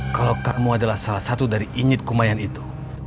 kalau kamu adalah salah satu dari injit kumayan itu